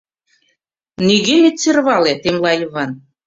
— Нигӧм ит сӧрвале, — темла Йыван.